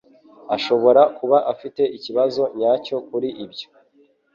ashobora kuba afite ikibazo nyacyo kuri ibyo.